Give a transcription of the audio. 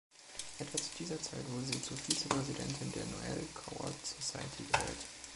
Etwa zu dieser Zeit wurde sie zur Vizepräsidentin der Noël Coward Society gewählt.